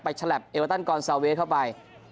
ไปแฉล็บเอวาร์ตันกอลเซิลเวสเข้าไป